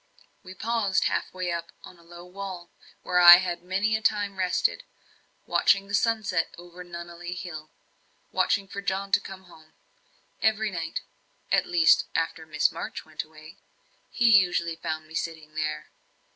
We paused half way up on a low wall, where I had many a time rested, watching the sunset over Nunneley Hill watching for John to come home. Every night at least after Miss March went away he usually found me sitting there.